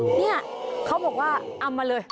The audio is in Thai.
เนี่ยเขาบอกว่าเอามาเลย